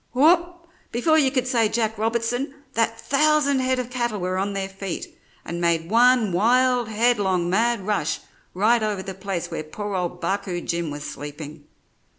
"Whoop! Before you could say Jack Robertson, that thousand head of cattle were on their feet, and made one wild, headlong, mad rush right over the place where poor old Barcoo Jim was sleeping.